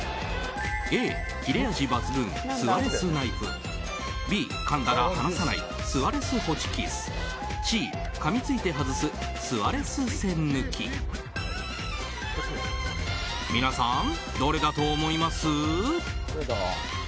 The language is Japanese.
Ａ、切れ味抜群スアレス・ナイフＢ、かんだら離さないスアレス・ホチキスＣ、かみついて外すスアレス・栓抜き皆さん、どれだと思います？